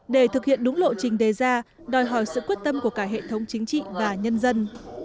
để thực hiện đúng lộ trình đề ra đòi hỏi sự quyết tâm của cả hệ thống chính trị và nhân dân